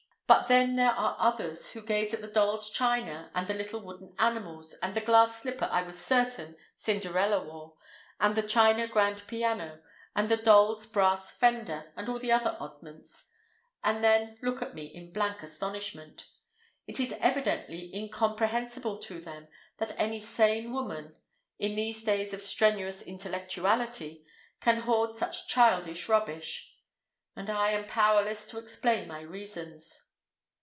But there are others who gaze at the dolls' china (and the little wooden animals, and the glass slipper I was certain Cinderella wore, and the china grand piano, and the dolls' brass fender, and all the other oddments), and then look at me in blank astonishment. It is evidently incomprehensible to them that any sane woman, in these days of strenuous intellectuality, can hoard such childish rubbish. And I am powerless to explain my reasons.